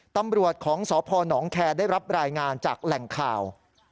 ตำรวจของสพนแคร์ได้รับรายงานจากแหล่งข่าว